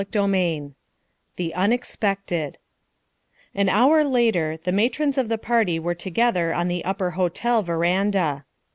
CHAPTER V THE UNEXPECTED An hour later the matrons of the party were together on the upper hotel veranda.